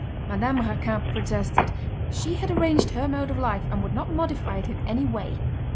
Madame Raquin protested: she had arranged her mode of life, and would not modify it in any way.